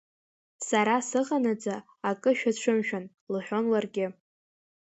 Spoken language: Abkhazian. Сара сыҟанаҵы, акы шәацәымшәан, — лҳәон ларгьы.